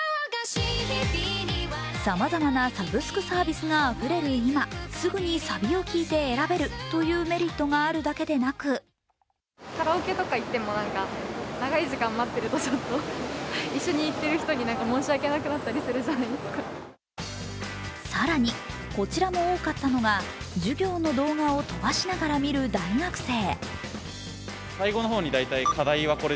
さまざまなサブスクサービスがあふれる今、すぐにサビを聴いて選べるというメリットがあるだけでなく更にこちらも多かったのが授業の動画を飛ばしながら見る大学生。